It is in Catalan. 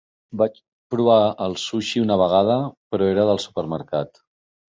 Vaig provar el sushi una vegada, però era del supermercat.